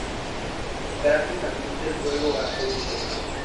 Gráficamente el juego ha evolucionado.